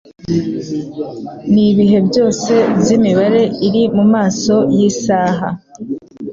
Nibihe byose byimibare iri mumaso yisaha